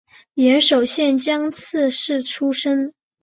岩手县江刺市出身。